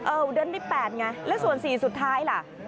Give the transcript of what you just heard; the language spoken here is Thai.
เออเดือนที่๘ไงแล้วส่วน๔สุดท้ายล่ะ